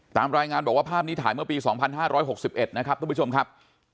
ตามรายงานบอกว่าภาพนี้ถ่ายเมื่อปี๒๕๖๑นะครับทุกผู้ชมครับ